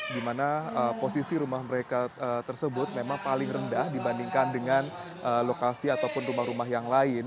di mana posisi rumah mereka tersebut memang paling rendah dibandingkan dengan lokasi ataupun rumah rumah yang lain